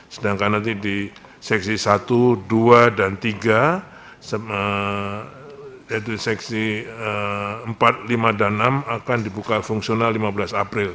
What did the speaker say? sedangkan nanti di seksi satu dua dan tiga yaitu seksi empat lima dan enam akan dibuka fungsional lima belas april